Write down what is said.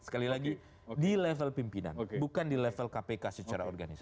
sekali lagi di level pimpinan bukan di level kpk secara organisasi